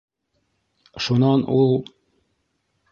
Шунан ул: